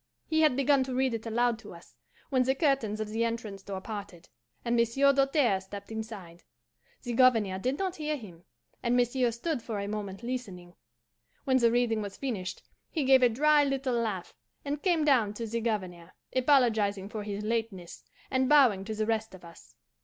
"He had begun to read it aloud to us, when the curtains of the entrance door parted, and Monsieur Doltaire stepped inside. The Governor did not hear him, and monsieur stood for a moment listening. When the reading was finished, he gave a dry little laugh, and came down to the Governor, apologizing for his lateness, and bowing to the rest of us.